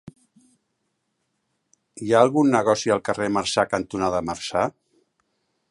Hi ha algun negoci al carrer Marçà cantonada Marçà?